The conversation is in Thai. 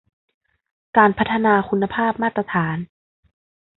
การพัฒนาคุณภาพมาตรฐาน